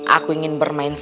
aku ingin bermainnya